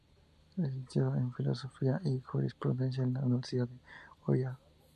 Licenciado en Filosofía y Jurisprudencia en la Universidad de Oviedo.